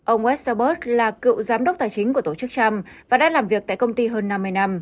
ông westerbork là cựu giám đốc tài chính của tổ chức trump và đã làm việc tại công ty hơn năm mươi năm